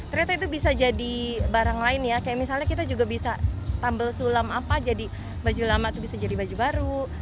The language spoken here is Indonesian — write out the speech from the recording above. ternyata itu bisa jadi barang lain ya kayak misalnya kita juga bisa tambel sulam apa jadi baju lama itu bisa jadi baju baru